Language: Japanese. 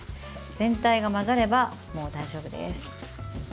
全体が混ざれば、もう大丈夫です。